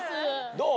どう？